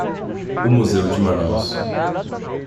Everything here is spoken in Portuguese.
O museu de Manaus.